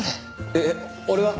えっ俺は？